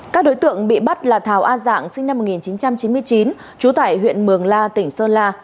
các đối tượng bị bắt là thảo a dạng sinh năm một nghìn chín trăm chín mươi chín trú tại huyện mường la tỉnh sơn la